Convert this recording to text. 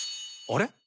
あれ？